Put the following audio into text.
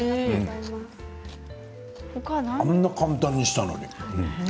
あんなに簡単だったのに。